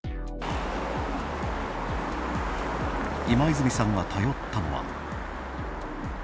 今泉さんが頼ったのは。